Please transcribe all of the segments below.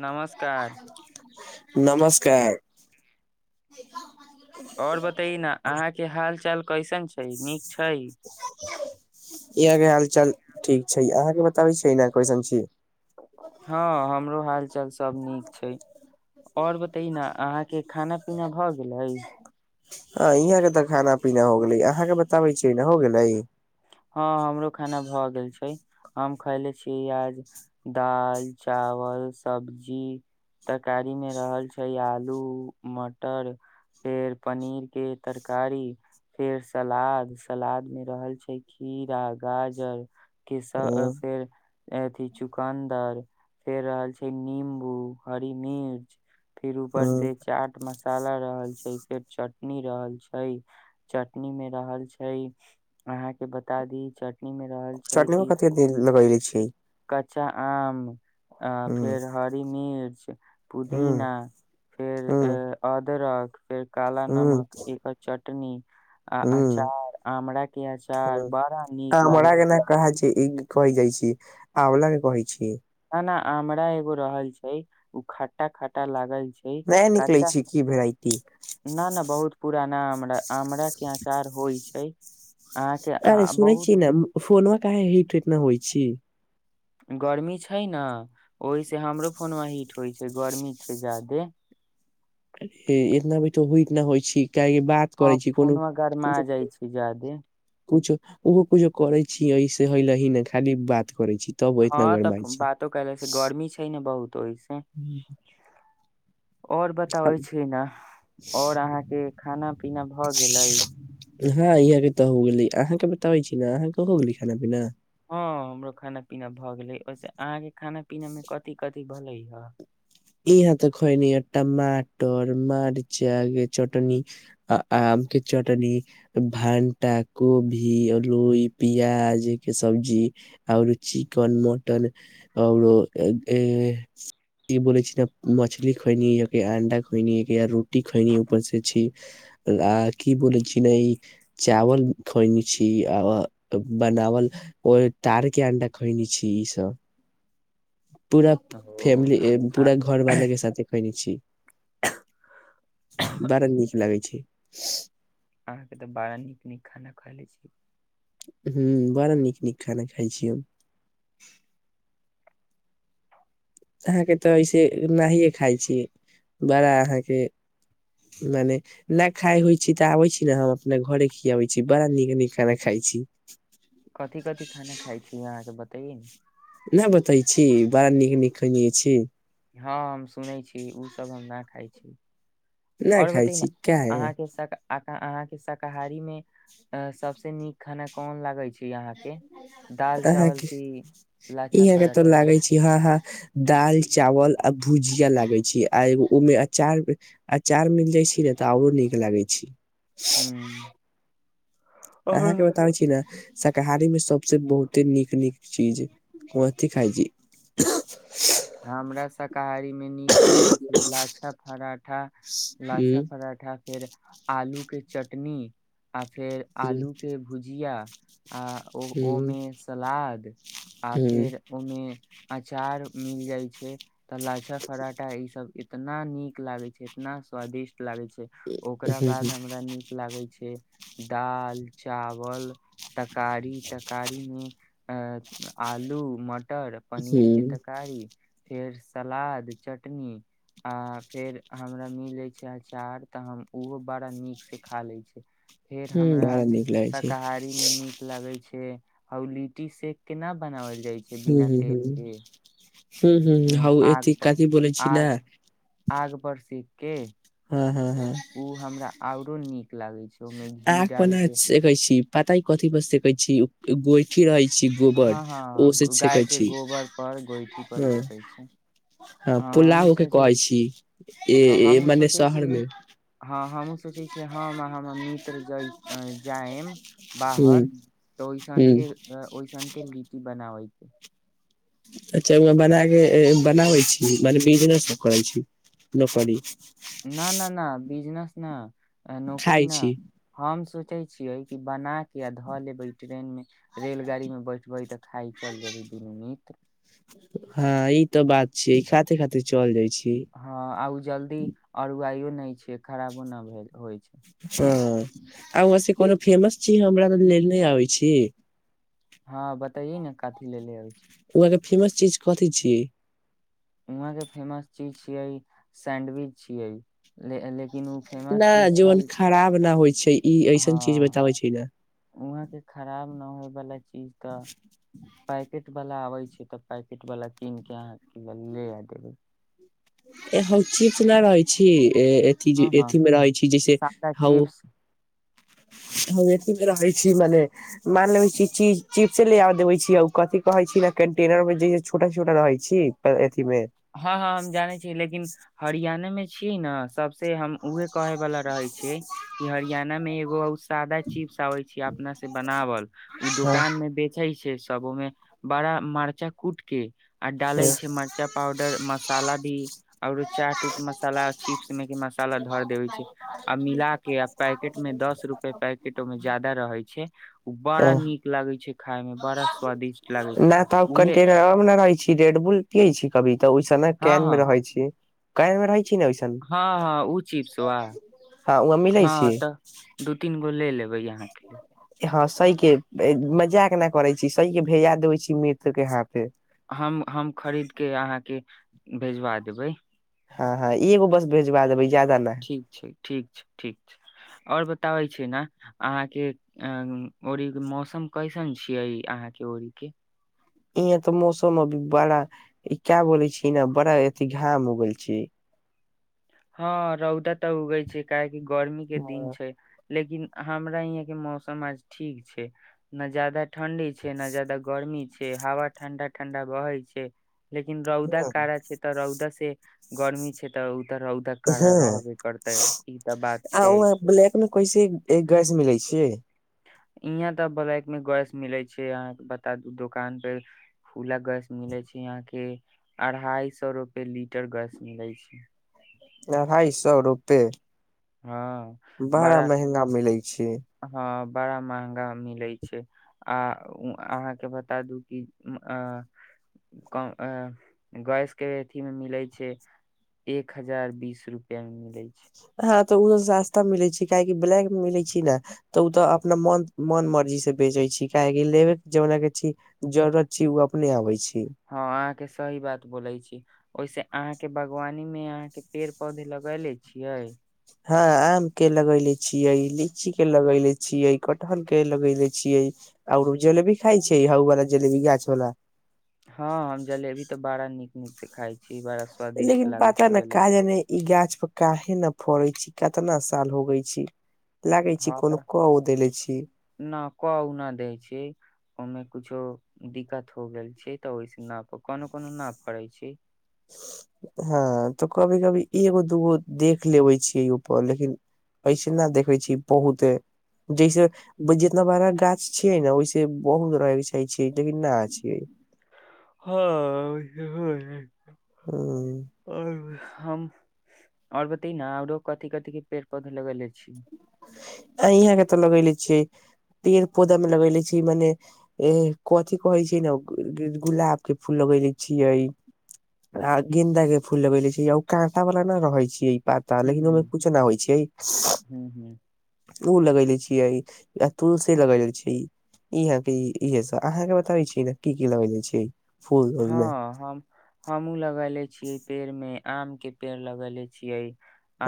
नमस्कार नमस्कार [inaudible] आओर बताै न अहाँके हाल चाल? कैसन छै नीक छै इहाँ के हाल चाल ठीक छै अहाँ के बताबै छीयै ने कैसन छी? हँ हमरो हाल चल सब नीक छै और बताय न अहाँ के खाना पीना भ गेलै? ह यहाँ के तऽ खाना पीना हो गेलै अहाँके बताबै छिय ने हो गेलै? हँ हमरो खाना भऽ गेल छै। हम खयले छीयै आज दाल चावल सब्जी तरकारी में रहल छै आलू मटर फेर पनीर के तरकारी फेर सलाद सलाद मे रहल छै। खीरा गाजर किस्सा हूँ, फेर अथी चुकानदार फेर रहल छै नीम्बू हरि मिर्च फिर ऊपर हूँ। से चाट मसा साला रहल छै फेर चटनी रहल छै चटनी मे रहल छै अहाँके। के बता दी चट नी मे रहल छै चटनी में कि कथि लगले छी कच्चा आम हूँ, फेर हरी मिर्च हूँ, पुदीना फेर अ हूँ, अदरक [unintelligible] काल हूँ, नमक एक बार चट तनी आ अचार आमरा के अचा ह हामरा के ना कहै‌ छी ई कहै जाइ छी। आंवला के कहै छी। ना आमरा एगो रहल छै उ खटटा खटटा लागै नै निकलै छैय की भेराइटी न न बहुत पुराना आमरा आमरा के अचार होइ छैय। अरे सुने छी ने फोनवा का हे हेट इतना होइ छी। गर्मी छैय ने ओहिसँ हमरो फोनवा हीट होइ छैय गर्मी छैय ज्यादे। इतना भी तऽ हो इतना होइ छीक हां फोनवा गरमाई जाइ छैय जादे। कुछु ओहो कुछो करै छीयै ऐसे हल ही ने खाली बात करै छी तब इतना हँ गरमाइ तऽ छी। बातो करे से गर्मी छैय ने बहुत ओएसे और बताबै छी ना और अहाँके खाना पीना भ गेलै। हँ यहाँ के तऽ हो गेलै अहाँके बताबै छी ने अहाँके हो गेली खाना पीना। हँ हमरो खाना पीना भऽ गेलै ओसे अहाँके खाना पीनामे कथि कथि भैले ह। इह त खेनि ए टमाटर मरचाके चटनी आ आमके चटनी भानटा कोभी और लइ पिआाज एक सब्जी औ चिकन मटन आरो। तब मछली खोइनी ये अंडा खोइनी ये कि अरु टी खैनी ऊपरसँ छी। आ की बोलै छी ने ई चावल खैने छी आ बनावल ओ तारके अंडा खैने छी ईसभ। पूरा ओ फैमिली आ पूरा घरवाला के साथे खैने छी। बड़ा नीक लागै छैय। [unintelligible] खाए लै छी। हूँ बड़ा नीक नीक खाना खाइ छी हम। अहाँके तऽ इसे नए खाइ छीये। बड़ा अहाँके मने नहि खाय होइत छैय तऽ आबै छी ने हम अपना घरे खिअबै छी बड़ा नीक नीक खाना खाइ छी। तीन ना बतै छी बड़ा नीक नीक खैने छी। हाँ, हम सुनै छी उस सब हम न खाइ छी। ना और खाय बताइ न छी काहे अहाँके सब अ अहाँ के शाकाहारी में उम्म सबस नीक खाना कोन लागै छै? अहाँके दाल चावल अहाँके की ई लाछा अहाँके तऽ पराठा लागै छै, हँ हँ दाल-चावल, आ भुजिया लागै छिये आ एगो ओमे अचार अचार मिल जाइ छी ने तऽ आऔरो नीक लागै छी। हूँ। अहां के आओर बतावे छी न। शाकाहारी मे सबसे बहुते नीक नीक चीज कोथी खााय छी। हमरा शाकाहारीमे नीक लगैत छै लाछा पराठा लाछा उम्म पराठा। फेर आलू के चटनी। आओ फेर आलूके भुजिया आ ओ उम्म ओमे सलाद आ फेर ओमे अचार मिल जाय छै त लाछा पराठा ई सब एतना नीक लागे छै इतना स्वादिष्ट। लागै छै ओकरा उम्म बाद हमरा नीक लागै छै। दाल चावल तकारी तकारीमे अ आलू म टर पनीर के तक उम्म तरकारी फेर सलाद चटनी आ फेर हमरा मिलै छै अँचार तऽ हम ओहो बड़ा नीकसँ खा लै छी। फेर उम्म हमरा बड़ा निक लागे छै शाकाहारी मे नीक लगे छै। के हौ लिट्टी सेक के ना बनावल जाइ छै बिना तेल के। हू हू अ, हउ आग ए पर कथी बोले छी ने आग हां हां [unintelligible] हां ओ हमरा आउर को नीक लागै छै ओहिमे घी आग डाल कोना के सेकै छी? पता अय कथी पर सके छी गोइठी रहै। हँ हँ गाय के गोबर पर गोइठी पर हां। सेकै छी हँ ह हमहुँ पुलाव के सोचै कहै छी ए ह ए हमहुँ मने सोचै शहर छी मे ह हमहुँ सोचै छी हम आ हमर मित्र जइ जाइम हुं बाहर तऽ ओहिसन हुं के सन के लीटी ब बनाबै छै। अच्छा बनााके बनाबै छी मने बिजनेससभ करै छी नौकरी। न न न बिजनेस नहि। नौकरी खाइ न छी हम सोच। सोचे छियै कि बना के आ धऽ लेबै ट्रेन मे रेलगाड़ी मे बैठबै तऽ खाइ चल जेबै दुनू मित्र। हँ ई तऽ बात छिय ई खााते खााते चल जाइ छी। हँ आ उ जल्दी अरूवायो नहि छ खराबो न भेल होइ छै। ह। आ वस कोनो फेमस छीीज हमरा त लेल नहि आबै छी। हँ बताइे ने कथी लेेब छी। वहाँके फेमस चीज कथी छीियै। वहाँ के फेमस चीज छियै सैंडविच छियै लेकिन। उ न फेमस चीज जीवन छै खराब न होइ छै। छै। ई ऐसन चीज हँ बताबै ने वहाँके खराब न होय। ब। चीज क पैकेट। वालला आबे छै तऽ पैकेट वालला कीन के अहाँ ले आ देबै। ए हौ च सुना रहै छी। अथ हँ हँ अथीमे रहै छी जैसे सादा हउ। चिप्स हम एथीमे रहै छी मने मान लेबै छी च चिप्स ले देबै छी कथिी कहै छी ने कंटेनर मे जे छोटा छोटा रहै छी। अथी मे हँ हँ हम जाने छी। ह लेकिन हर। ज्ाने में छीियै न सबस हम उहे। कहे बला रहै छै कि हरियाणा मे। [unintelligible] सादा चिप्स आबे छी अपना से बनावल ओ दुोकान में बेचे छै। सबोमें बड़ा मरचा कूट के। आर डालइ छै मरचा। मसाला भी आओर। चाट उट मसाला चिप्स में के मसाला धर देवे छै आ मिला के आ पैकेट में दस रूपआ पैकेट ओमें जदा रहे छै उ बड़ा नीक लगे छै। खाय में बड़ा स्वादिष्ट लागे छै नहि तब उहे कंटेर नहि रहै छी रेड बुल पिय छी कभी। तऽ ओहिस ने हँ केन मे हँ रहै छी। कयमे रह। हँ हँ ओ चिप्स वा हँ वहाँ मिलै हँ छी तऽ दू तीन गो ले लेब। ै अहाँ। हँ सही के मजाक के नहि करे छी सह के भेजा देबे छी मृत के हा पे। हम हम खरीदके अहाँके भेजवा देबै। हँ हँं ई एगो बस भेजबा देबै। जादा नहि। ठीक छै ठीक छै - ठीक छै आओर बताबै छी ने अहाँके ओड़ीके मौसम कैसन छियै अहाँके ओरीक के। इहाँ तऽ मौसम अभी बड़ा ई क्या बोले छी ने बड़ा अथ घाम हो गेलल छी। हँ रौदा तऽ उगै छै क। गर्मी के दिन छै। लेकिन हमरा यहाँ के मौसम आज ठीक छै ने जादा। ठंडी छै ने जादा गर्मी छै। हावा ठण्डा- ठण्डा वहै छै। लेकिन रौदा कारा छै तऽ रौदा से। गर्मी छै तऽ। तऽ रौदा ह कड़ा रहबे करतै ई तऽ बात आ छै ब्लैक मे कैसे गैस मिलै छै। यहाँ तऽ ब्लैक मे गस मिलै छै यहाके बता दू दुोकान पे खुला गस मिलै छै यहा के अढ़ाई सए रूपे लीटर गस मिलै छै। अढ़ाइ सए रुपे। हँ बड़ा महंगा मिलै छै। हँ बड़ा महगा मिले छै आ अहाँके बता दू क गैस के अथी मे मिले छै एक हजार बीस रूपआ मे मिले छै। हँ तऽ उ सस्ता मिले छै काहि ब्लैक मे मिले छै ने तऽ तऽ अपना मन मन मर्जी से बेचे छी काहेक लेबे के ज के छी जरूरत छी उ अपने आबे छी। हँ अहाँके सही बात बोलै छी। ओहिसे अहाँ के बागवानी में अहाँ के पेड़ पौधे लगेले छियै। हँ आम के लगैले छियै लीची के लगैले छियै कटहर के लगैले छियै आओर जलेबी खाइ छै हउवालला जलेबी गाछवालला। हँ हम जलेबी तऽ बड़ा नीक नीक से खाय छी। बड़ा स्वादिष्ट लेकिन लागे पता छै न जलेबी काज ने ई गाछ पर कााहे न फड़ै छी कतना साल होगई छी। लागे छी हँ कोनो तऽ क उ देले छी न कउ नहि दै छी ओमे। कुछो दिक्कत हो गेल छै तऽ ओहिस न कोनो कोनो न फड़ै छै। हँ तऽ कभी कभी एगो दूगो देख लेबै छियै पर लेकिन ऐसे नहि देखै छीयै बहुत जैसे जितना बड़ा गाछ छियै ने ओैसे बहुत रहैके चाही छियै लेकिन नहि छियै। हँ। हँ। आओर हम आओर बती न आओरो कथि कथी के पेड़ पौधा लगेले छी। आ यहाँ के तऽ लगले छियै पेड़ पौधा मे लगले छी मने कथि कहै छै ने गुलाब के फूल लगेले छियै आ गेन्दा के फूल लगले छी ओ काँटा वाला ने रहे छियै। पता हूँ लेकिन ओहिमे हूँ कुछो नहि होइ छै। हूँ हूँ ओ लगैले छियै। य तुलसी लग छै इहां के इहे सब अहाँ के बताबै छी ने की की लगेले छी। फूल उल मे हँ हम हमूँ लगेले छियै पेड़ मे। आम के पेड़ लगेले छीये।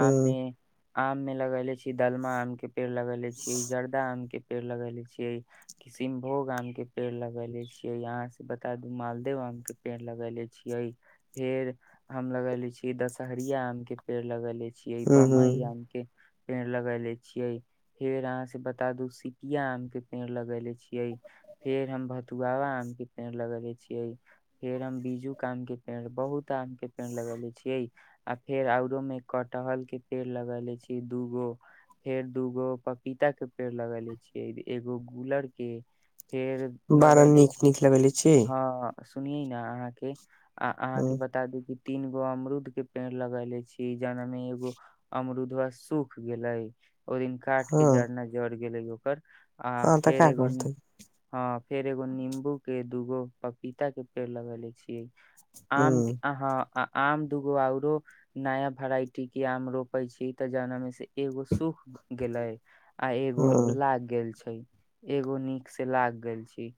ह आम मे लगेले छी दलमा आम के पेड़ लगेेले छी ई जर्दा आम के पेड़ लगेले छीयै किसमभोग आम के पेड़ लगेले छीयै, अहां से बता दू माल देव आम के पेड़ लगेले छीये फेर हम लगेले छीयै दशहरिया आम के पेड़ लगेलै छीयै ह बम्मे आम के पेड़ लगेले छियै फेर अहाँ से बता दू सिकिया आम के पेड़ लगेले छियै फेर हम भतुआवा आम के पेड़ लगेले छियै। फेर हम बीजूक आम के पेड़ बहुत आम के पेड़ लगेले छियै आ फेर औरो मे कटहल के पेड़ लगेलै छीयै दूगो फेर दूगो पपीता के पेड़ लगेले छियै एगो गुलर के। फेर बड़ा लगैले नीक छी नीक लगेले छी हां हाँ। सुनियै न अहाँके आ अहाँ के हूं बता दी कि तीनगो अमरूद के पेड़ लगेलै छी जना मे एगो अमरुदवा सूख गेलै। ओय दिन काट के हँ जड़ना जड़ी गेलै ओकर आ हँ तऽ फेर का एगो न करतै हां। फेर एगो नींबू के दूगो पप पीता के पेड़ लगेलै छीयै। ह आम के आहाँ आ आम दूगो औरो नया वेराइटी के आम रोपे छी तऽ जोना मे से एगो सूख गेलै। आ एगो ह लाग गेल छै। एगो नीक से लाग गैल छी।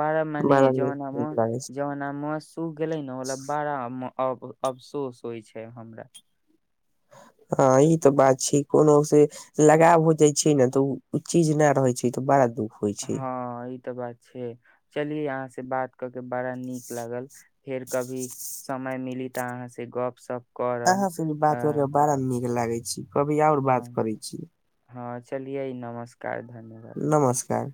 बड़ा मने नीक जोन नीक हम लागे छै जोना मस सुख गेलै न मतलब बाड़ा आम अब अफसोस होय छै हमरा। हँ ई तऽ बात छै कोनो से लगाव हो जाए छै न तऽ उ चीज न रहै छै तऽ बड़ा दुःख होइ छै हां ई ई तऽ बात छै चलिए अहाँ से बात कऽ के बड़ा नीक लागल फेर कभी समय मिली त अहाँ से गप सप करब अहां सुनु अ बात कर क बड़ा निक के लागै छी। कभी और बात हँ करै छियै। हँ चलियै नमस्कार। धन्यवाद नमस्कार।